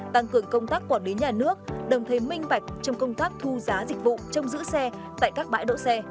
tăng cường công tác quản lý nhà nước đồng thế minh bạch trong công tác thu giá dịch vụ trông giữ xe tại các bãi đỗ xe